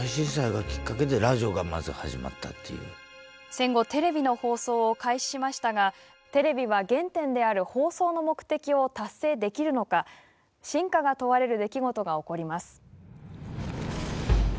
戦後テレビの放送を開始しましたがテレビは原点である放送の目的を達成できるのか真価が問われる出来事が起こります。